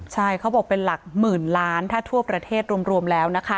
ใช่เขาบอกเป็นหลักหมื่นล้านถ้าทั่วประเทศรวมแล้วนะคะ